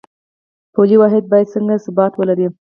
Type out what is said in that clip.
پولي واحد باید څنګه ثبات ولري؟